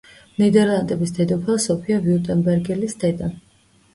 ნიდერლანდების დედოფალ სოფია ვიურტემბერგელის დედა.